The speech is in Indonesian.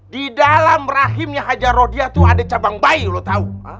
di dalam rahimnya hajar rodya tuh ada cabang bayi lo tau